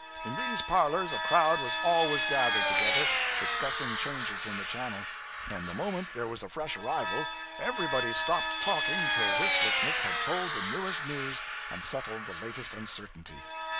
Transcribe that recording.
In these parlors a crowd was always gathered together, discussing changes in the channel, and the moment there was a fresh arrival, everybody stopped talking till this witness had told the newest news and settled the latest uncertainty.